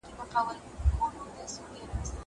زه اوږده وخت د کتابتون کتابونه لوستل کوم.